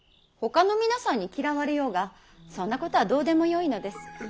ほかの皆さんに嫌われようがそんなことはどうでもよいのです。